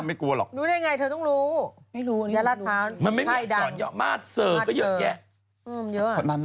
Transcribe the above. จากกระแสของละครกรุเปสันนิวาสนะฮะ